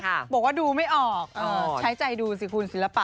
ถอยออกมาสักก้าวนะครับ